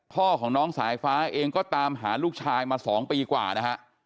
พ่อของน้องสายฟ้าเองก็ตามหาลูกชายมา๒ปีกว่านะฮะ